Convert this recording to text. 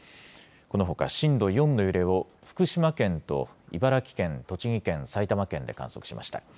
このほか震度４の揺れを福島県と茨城県、栃木県、埼玉県で観測しました。